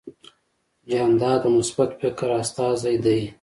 جانداد د مثبت فکر استازی دی.